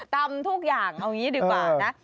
ตำทุกอย่างงี้ดีกว่านะ